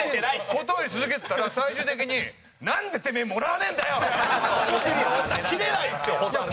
断り続けてたら最終的に「なんでてめえもらわねえんだよ！」。キレないっすよ蛍原さん俺。